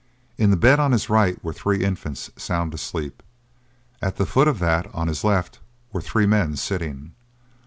In the bed on his right were three infants sound asleep; at the foot of that on his left were three men sitting.